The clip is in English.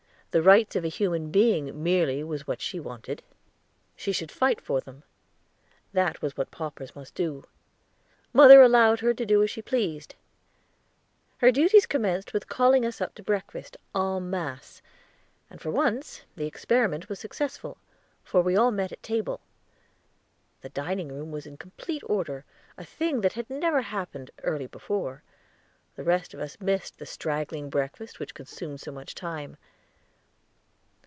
The rights of a human being merely was what she wanted; she should fight for them; that was what paupers must do. Mother allowed her to do as she pleased. Her duties commenced with calling us up to breakfast en masse, and for once the experiment was successful, for we all met at the table. The dining room was in complete order, a thing that had never happened early before; the rest of us missed the straggling breakfast which consumed so much time.